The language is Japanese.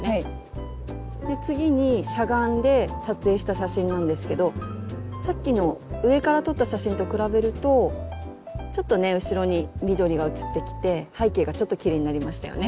次にしゃがんで撮影した写真なんですけどさっきの上から撮った写真と比べるとちょっとね後ろに緑が写ってきて背景がちょっときれいになりましたよね。